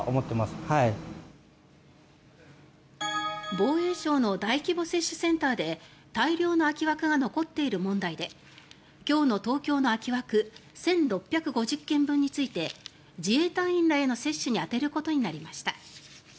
防衛省の大規模接種センターで大量の空き枠が残っている問題で今日の東京の空き枠１６５０件分について自衛隊員らへの接種に充てることになりました。